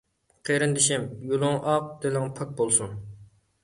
قېرىندىشىم، يولۇڭ ئاق، دىلىڭ پاك بولسۇن!